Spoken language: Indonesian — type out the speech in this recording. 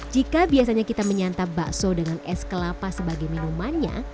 jika biasanya kita menyantap bakso dengan es kelapa sebagai minumannya